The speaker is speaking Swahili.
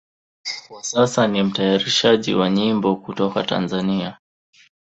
Kwa sasa ni mtayarishaji wa nyimbo kutoka Tanzania.